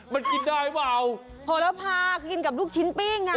มันกินได้ป่าวโหลภาคกินกับลูกชิ้นปิ้ง